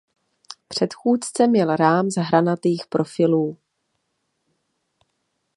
Předchůdce měl rám z hranatých profilů.